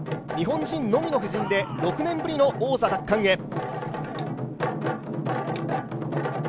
日本人のみの布陣で６年ぶりの王座奪還へ。